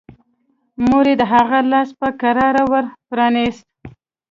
مور يې د هغه لاس په کراره ور پرانيست.